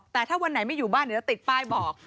แต่ถ้าวันไหนไม่อยู่บ้านเดี๋ยวจะติดป้ายบอก